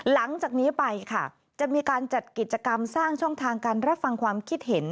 หลังจากนี้ไปค่ะจะมีการจัดกิจกรรมสร้างช่องทางการรับฟังความคิดเห็น